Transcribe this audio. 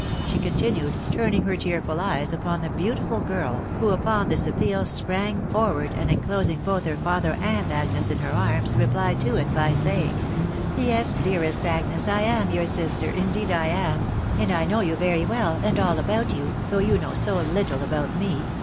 " she continued, turning her tearful eyes upon the beautiful girl, who upon this appeal sprang forward, and enclosing both her father and Agnes in her arms, replied to it by saying, —" Yes, dearest Agnes, I am your sister, indeed I am ; and I know you very well, and all about you, \ta\^^<$aknow so little about me